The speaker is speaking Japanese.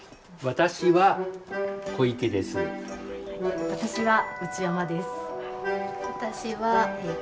私は小池です。